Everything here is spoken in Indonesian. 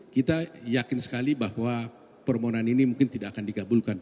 kita yakin sekali bahwa permohonan ini mungkin tidak akan dikabulkan